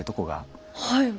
はい。